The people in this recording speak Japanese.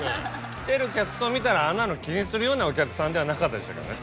来てる客層見たらあんなの気にするようなお客さんではなかったでしたけどね